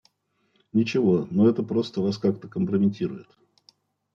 Ничего, но это просто Вас как-то компрометирует.